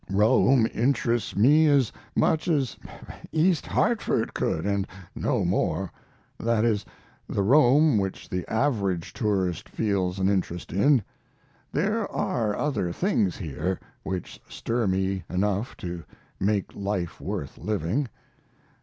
Rome interests me as much as East Hartford could, and no more; that is, the Rome which the average tourist feels an interest in. There are other things here which stir me enough to make life worth living.